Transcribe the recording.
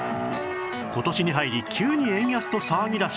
今年に入り急に円安と騒ぎ出した